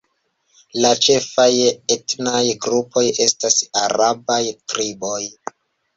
La ĉefaj etnaj grupoj estas arabaj triboj.